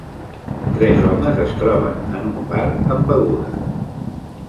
Tres homes es troben en un bar amb begudes.